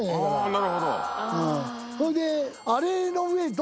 なるほど。